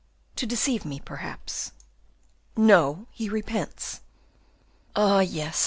"To deceive me, perhaps." "No, he repents." "Ah yes!